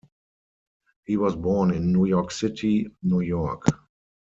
He was born in New York City, New York.